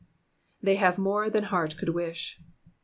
"They have mare than heart could wish.''''